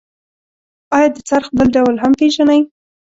آیا د څرخ بل ډول هم پیژنئ؟